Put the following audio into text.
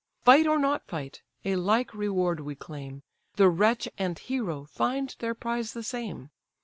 Fight or not fight, a like reward we claim, The wretch and hero find their prize the same.